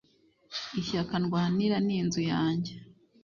Ishyaka ndwanira ni inzu yanjye